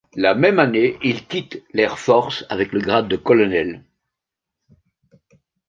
La même année, il quitte l'Air Force avec le grade de colonel.